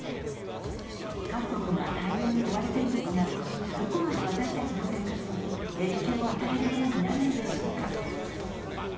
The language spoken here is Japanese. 各国が対応に追われていますがどこまで私たちの生活に影響を与えるものになるのでしょうか。